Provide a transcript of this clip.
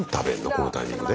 このタイミングで？